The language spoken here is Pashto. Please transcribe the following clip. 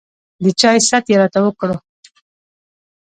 د چاے ست يې راته وکړو